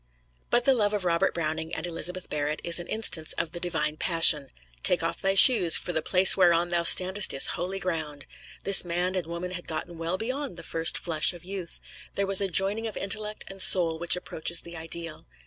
But the love of Robert Browning and Elizabeth Barrett is an instance of the Divine Passion. Take off thy shoes, for the place whereon thou standest is holy ground! This man and woman had gotten well beyond the first flush of youth; there was a joining of intellect and soul which approaches the ideal.